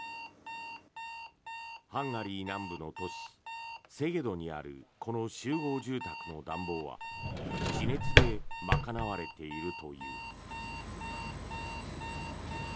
ハンガリー南部の都市セゲドにあるこの集合住宅の暖房は地熱で賄われているという。